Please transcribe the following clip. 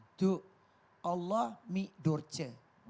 itu allah mi durce